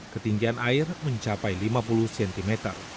ketinggian air mencapai lima puluh cm